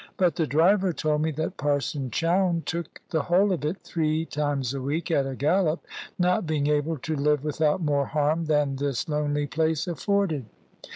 But the driver told me that Parson Chowne took the whole of it three times a week at a gallop, not being able to live without more harm than this lonely place afforded.